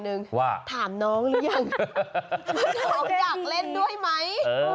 เห็นหรือยังน้องอยากเล่นด้วยมั้ย